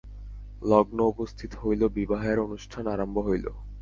লগ্ন উপস্থিত হইল, বিবাহের অনুষ্ঠান আরম্ভ হইল।